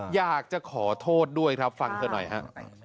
อยากจะขอโทษด้วยครับฟังเธอหน่อยฮะ